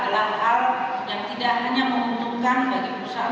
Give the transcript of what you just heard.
hal hal yang tidak hanya menguntungkan bagi perusahaan